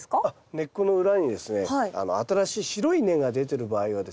根っこの裏にですね新しい白い根が出てる場合はですね